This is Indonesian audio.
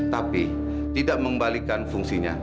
tapi tidak mengembalikan fungsinya